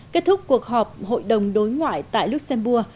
kết thúc cuộc họp hội đồng đối ngoại tại luxembourg